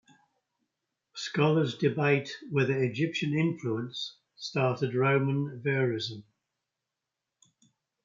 Scholars debate whether Egyptian influence started Roman verism.